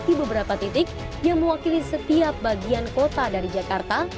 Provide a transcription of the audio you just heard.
di beberapa titik yang mewakili setiap bagian kota dari jakarta